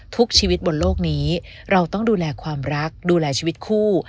ทุกชีวิตบนโลกนี้เราต้องดูแลความรักดูแลชีวิตคู่